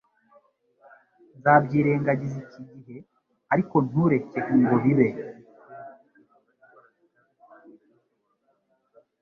Nzabyirengagiza iki gihe ariko ntureke ngo bibe